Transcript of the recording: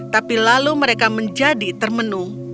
tapi lalu mereka menjadi termenu